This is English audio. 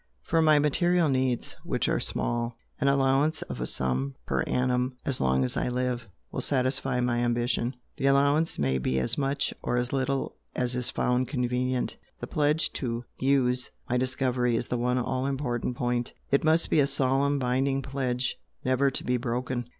For my material needs, which are small, an allowance of a sum per annum as long as I live, will satisfy my ambition. The allowance may be as much or as little as is found convenient. The pledge to USE my discovery is the one all important point it must be a solemn, binding pledge never to be broken."